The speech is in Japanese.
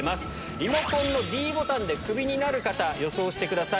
リモコンのｄボタンでクビになる方、予想してください。